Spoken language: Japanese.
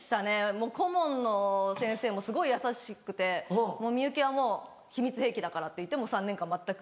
もう顧問の先生もすごい優しくて「幸はもう秘密兵器だから」っていって３年間全く。